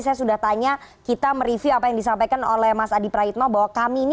yang itu disampaikan